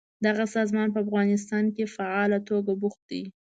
دغه سازمان په افغانستان کې فعاله توګه بوخت دی.